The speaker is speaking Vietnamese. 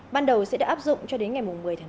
ban đầu sẽ đã áp dụng cho đến ngày một mươi tháng tám